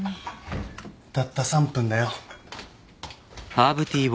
たった３分だよ。